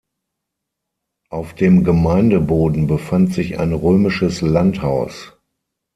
Auf dem Gemeindeboden befand sich ein römisches Landhaus.